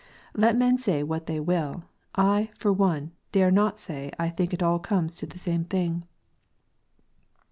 Let men say what they will, I, for one, dare not say I think it all comes to the same thing.